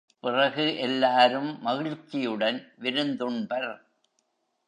பிறகு எல்லாரும் மகிழ்ச்சியுடன் விருந்துண்பர்.